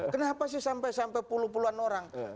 kenapa sih sampai sampai puluh puluhan orang